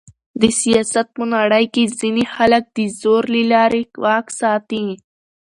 د سیاست په نړۍ کښي ځينې خلک د زور له لاري واک ساتي.